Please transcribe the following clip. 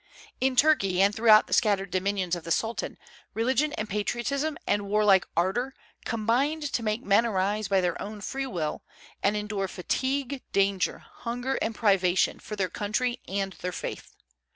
In Turkey and throughout the scattered dominions of the Sultan, religion and patriotism and warlike ardor combined to make men arise by their own free will, and endure fatigue, danger, hunger, and privation for their country and their faith.